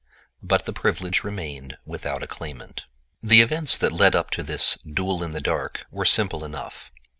But the privilege remained without a claimant. II The events that led up to this "duel in the dark" were simple enough.